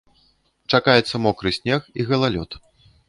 Чакаецца мокры снег і галалёд.